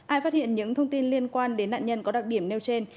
ai phát hiện những thông tin liên quan đến nạn nhân có đặc điểm nêu trên